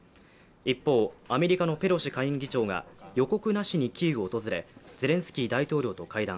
一方、アメリカのペロシ下院議長が予告なしにキーウを訪れゼレンスキー大統領と会談。